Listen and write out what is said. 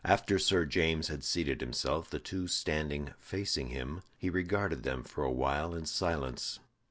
After Sir James had seated himself, the two standing facing him, he regarded them for a while in silence.